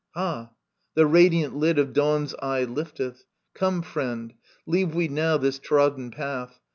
— Ha, the radiant lid Of Dawn's eye lifteth ! Come, friend ; leave we now This trodden path.